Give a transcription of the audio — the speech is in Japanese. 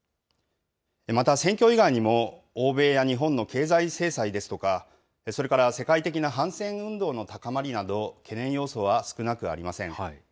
また選挙以外にも、欧米や日本の経済制裁ですとか、それから世界的な反戦運動の高まりなど、懸念要素は少なくありません。